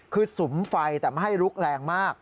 คือสุมไฟแต่ไม่ให้ลุกแรงมาก